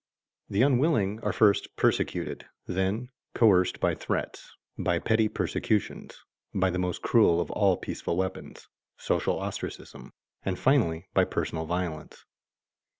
The unwilling are first persuaded, then coerced by threats, by petty persecutions, by the most cruel of all peaceful weapons, social ostracism, and finally by personal violence.